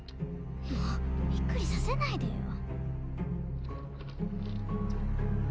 もうびっくりさせないでよ。